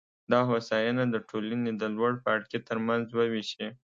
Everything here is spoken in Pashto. دا هوساینه د ټولنې د لوړپاړکي ترمنځ ووېشي.